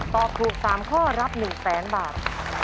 ตอบถูก๓ข้อรับ๑๐๐๐๐๐บาท